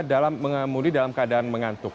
dalam mengemudi dalam keadaan mengantuk